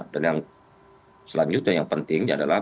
dan yang selanjutnya yang pentingnya adalah